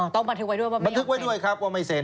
ต้องบันทึกไว้ด้วยบันทึกไว้ด้วยครับว่าไม่เซ็น